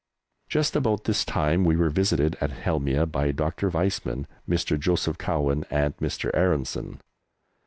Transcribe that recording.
Just about this time we were visited at Helmieh by Dr. Weizmann, Mr. Joseph Cowen, and Mr. Aaronson.